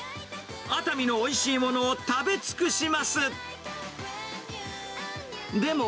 熱海のおいしいものを食べ尽くします。